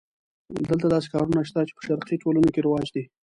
دلته داسې کارونه شته چې په شرقي ټولنو کې رواج دي.